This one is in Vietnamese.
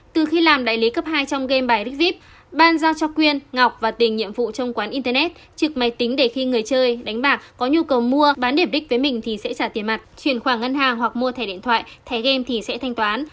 từ khi làm đại lý cấp hai trong game bài rigvip ban giao cho quyên ngọc và tình nhiệm vụ trong quán internet trực máy tính để khi người chơi đánh bạc có nhu cầu mua bán điểm đích với mình thì sẽ trả tiền mặt chuyển khoản ngân hàng hoặc mua thẻ điện thoại thẻ game thì sẽ thanh toán